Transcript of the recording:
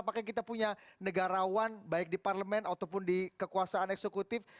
apakah kita punya negarawan baik di parlemen ataupun di kekuasaan eksekutif